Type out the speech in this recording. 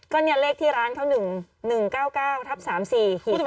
ก็เนี่ยเลขที่ร้านเขา๑๑๙๙ทับ๓๔๕